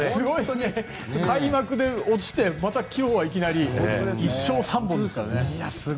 開幕で落ちてまた今日はいきなり１勝３本ですからね。